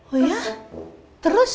oh ya terus